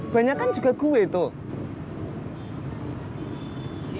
banyak kan juga gue tuh